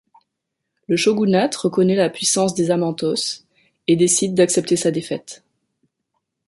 Le shogunat reconnait la puissance des Amantos et décide d'accepter sa défaite.